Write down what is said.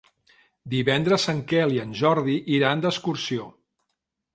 Divendres en Quel i en Jordi iran d'excursió.